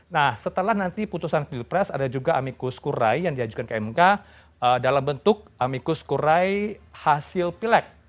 nah setelah nanti putusan pilpres ada juga amikus kurai yang diajukan ke mk dalam bentuk amikus kurai hasil pilek